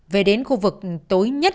về đến khu vực tối nhất của thôn phúc lộc